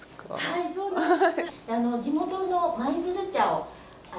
はいそうなんです。